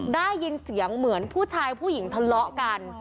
ได้ยินเสียงเหมือนผู้ชายผู้หญิงทะเลาะกัน